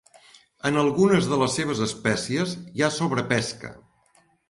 En algunes de les seves espècies hi ha sobrepesca.